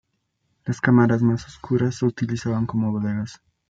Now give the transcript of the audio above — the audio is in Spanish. Las cámaras más obscuras se utilizaban como bodegas.